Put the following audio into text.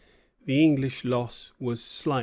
The English loss was slight.